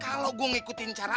kalau gua ngikutin cara lo eh